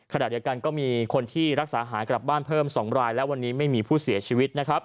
ขณะเดียวกันก็มีคนที่รักษาหายกลับบ้านเพิ่ม๒รายและวันนี้ไม่มีผู้เสียชีวิตนะครับ